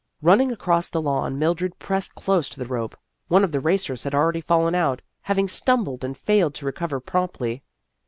Running across the lawn, Mildred pressed close to the rope. One of the racers had already fallen out, having stumbled and failed to recover promptly.